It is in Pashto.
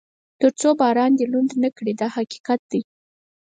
تر څو باران دې لوند نه کړي دا حقیقت دی.